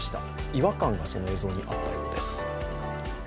違和感がその映像にあったようです。